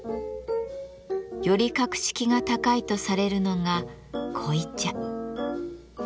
より格式が高いとされるのが濃茶。